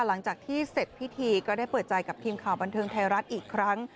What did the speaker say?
หลังจากที่เสร็จพิธีก็ได้เปิดใจกับทีมข่าวบันเทิงไทยรัฐอีกครั้ง